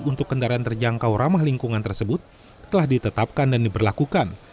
untuk kendaraan terjangkau ramah lingkungan tersebut telah ditetapkan dan diberlakukan